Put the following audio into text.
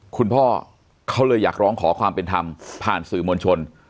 คุณพ่อเขาเลยอยากร้องขอความเป็นธรรมผ่านสื่อมวลชน